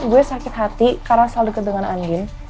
gue sakit hati karena selalu deket dengan andin